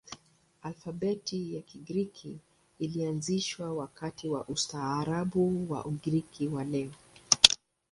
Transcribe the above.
Alfabeti ya Kigiriki ilianzishwa wakati wa ustaarabu wa Ugiriki wa leo.